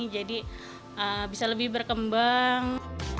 jadi bisa lebih berkembang